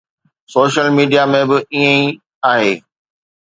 Social media ۾ به ائين ئي آهي.